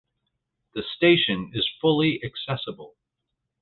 The station is fully accessible.